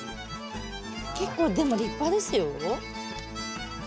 結構でも立派ですよ。